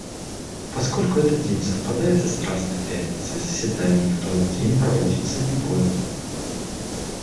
Поскольку этот день совпадает со Страстной Пятницей, заседаний в тот день проводиться не будет.